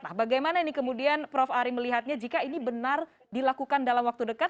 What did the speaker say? nah bagaimana ini kemudian prof ari melihatnya jika ini benar dilakukan dalam waktu dekat